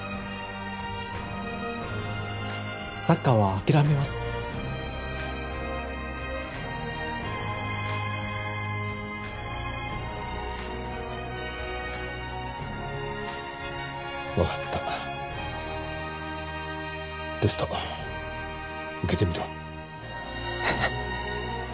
サッカーは諦めます分かったテスト受けてみろえっ？